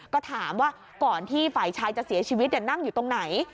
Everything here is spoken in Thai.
ก็ถามว่าก่อนที่ฝ่ายชายจะเสียชีวิตนั่งอยู่ตรงไหน